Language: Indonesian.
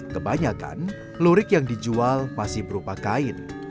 kebanyakan lurik yang dijual masih berupa kain